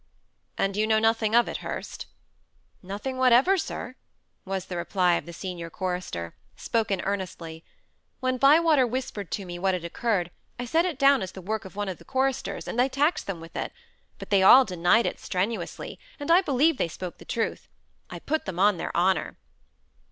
"And you know nothing of it, Hurst?" "Nothing whatever, sir," was the reply of the senior chorister, spoken earnestly. "When Bywater whispered to me what had occurred, I set it down as the work of one of the choristers, and I taxed them with it. But they all denied it strenuously, and I believe they spoke the truth. I put them on their honour."